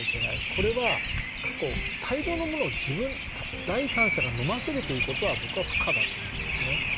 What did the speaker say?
これは過去、大量のものを第三者が飲ませるというのは、僕は不可だと思いますね。